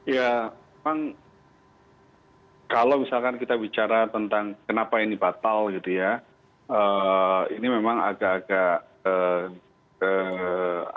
ya memang kalau misalkan kita bicara tentang kenapa ini batal gitu ya ini memang agak agak